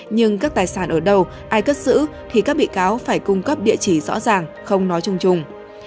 nhưng các tài sản ở đâu ai cất giữ thì các bị cáo phải cung cấp địa chỉ rõ ràng không nói chung chung